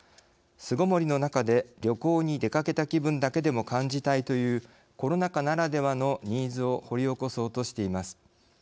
巣ごもりの中で旅行に出かけた気分だけでも感じたいというコロナ禍ならではのニーズを掘り起こそうとしています。